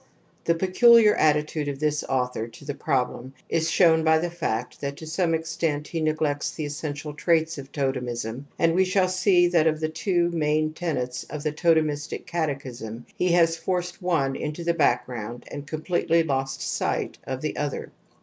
The peculiar attitude of this author to the problem is shown by the fact that to some extent he neg lects the essential traits of totemism, and we shall see that of the two main tenets of the totem istic catechism he has forced one into the back groimd and completely lost sight of the other.